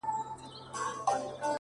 • چي ټوله ورځ ستا د مخ لمر ته ناست وي؛